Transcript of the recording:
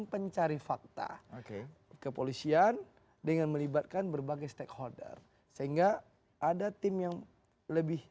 pencari fakta oke kepolisian dengan melibatkan berbagai stakeholder sehingga ada tim yang lebih